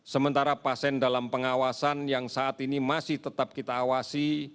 sementara pasien dalam pengawasan yang saat ini masih tetap kita awasi